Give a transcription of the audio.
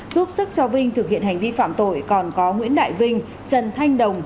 giúp sức cho vinh thực hiện hành vi phạm tội còn có nguyễn đại vinh trần thanh đồng